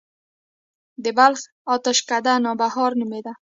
د بلخ اتشڪده نوبهار نومیده